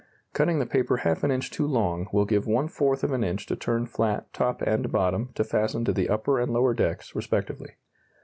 Cutting the paper half an inch too long will give one fourth of an inch to turn flat top and bottom to fasten to the upper and lower decks respectively.